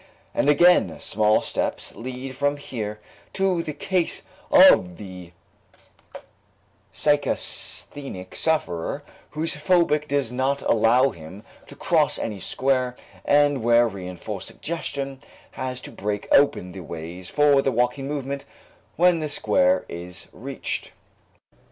And again small steps lead from here to the case of the psychasthenic sufferer whose phobia does not allow him to cross any square and where reënforced suggestion has to break open the ways for the walking movement when the square is reached.